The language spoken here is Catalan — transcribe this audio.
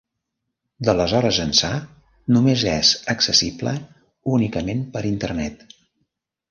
D'aleshores ençà només és accessible únicament per Internet.